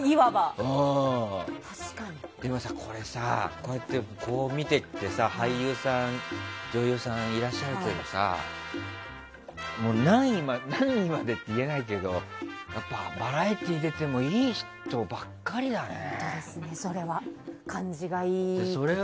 これさ、こうやって見て俳優さん、女優さんいらっしゃるけどさ何位までって言えないけどバラエティー出てもいい人ばっかりだよね。